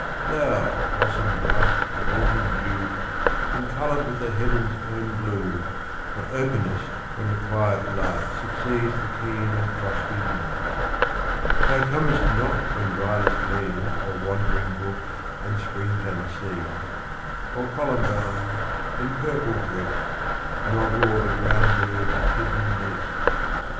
Thou blossom bright with autumn dew, And coloured with the heaven's own blue, That openest when the quiet light Succeeds the keen and frosty night. Thou comest not when violets lean O'er wandering brooks and springs unseen, Or columbines, in purple dressed, Nod o'er the ground bird's hidden nest.